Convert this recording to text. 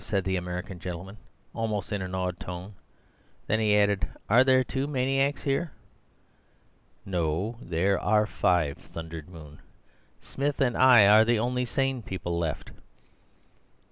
said the American gentleman, almost in an awed tone. Then he added, "Are there two maniacs here?" "No; there are five," thundered Moon. "Smith and I are the only sane people left."